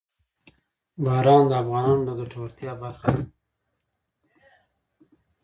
باران د افغانانو د ګټورتیا برخه ده.